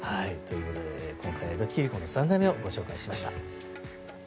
今回は江戸切子の３代目をご紹介しました。